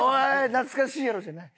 「懐かしいやろ」じゃない。